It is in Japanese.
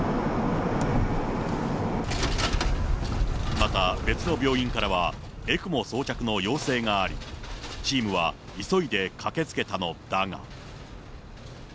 また別の病院からは、ＥＣＭＯ装着の要請があり、チームは急いで駆けつけたのだが。